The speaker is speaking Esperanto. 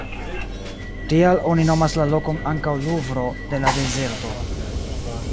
Tial oni nomas la lokon ankaŭ ""Luvro de la dezerto"".